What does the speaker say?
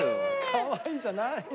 「かわいい」じゃないのよ。